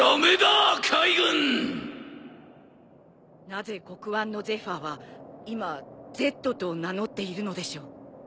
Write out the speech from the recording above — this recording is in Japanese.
なぜ黒腕のゼファーは今Ｚと名乗っているのでしょう？